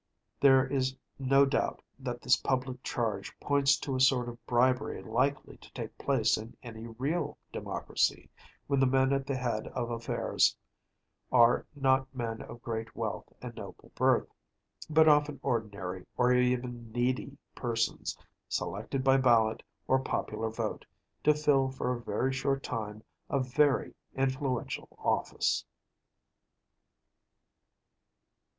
There is no doubt that this public charge points to a sort of bribery likely to take place in any real democracy, when the men at the head of affairs are not men of great wealth and noble birth, but often ordinary, or even needy persons, selected by ballot, or popular vote, to fill for a very short time a very influential office.